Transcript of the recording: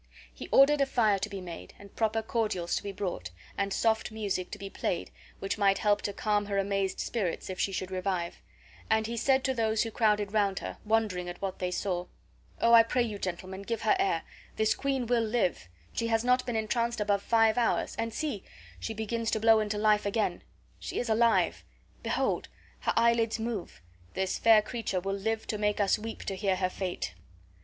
He ordered a fire to be made, and proper cordials to be brought, and soft music to be played, which might help to calm her amazed spirits if she should revive; and he said to those who crowded round her, wondering at what they saw, "O, I pray you, gentlemen, give her air; this queen will live; she has not been entranced above five hours; and see, she begins to blow into life again; she is alive; behold, her eyelids move; this fair creature will live to make us weep to hear her fate."